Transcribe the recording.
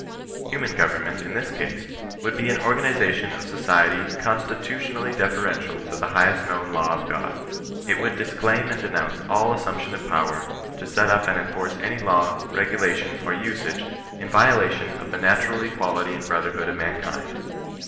Human government in this sense would be an organization of society constitutioriaUy deferential to the highest known law of God. It would disclaim and denounce all assump tion of power to set up and enforce any law, regulation, or usage in violation of the natural equality and brother hood of mankind.